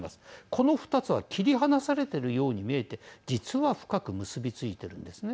この２つは切り離されているように見えて実は深く結び付いているんですね。